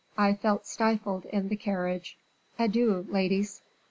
I felt stifled in the carriage. Adieu, ladies."